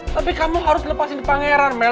tapi kamu harus lepasin pangeran mel